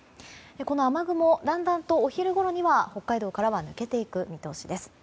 この雨雲はだんだんとお昼ごろには北海道からは抜けていく見通しです。